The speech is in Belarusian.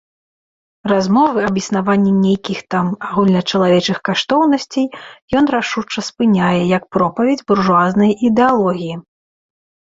Размовы аб існаванні нейкіх там агульначалавечых каштоўнасцей ён рашуча спыняе як пропаведзь буржуазнай ідэалогіі.